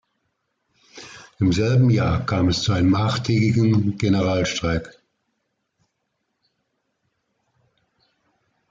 Im selben Jahr kam es zu einem achttägigen Generalstreik.